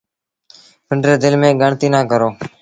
پنڊري دل ميݩ ڳڻتيٚ نا ڪرو